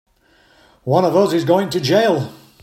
One of us is going to jail!